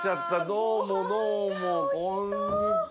どうもどうもこんにちは。